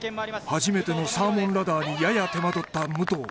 初めてのサーモンラダーにやや手間取った武藤